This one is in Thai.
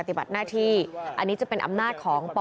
พตรพูดถึงเรื่องนี้ยังไงลองฟังกันหน่อยค่ะ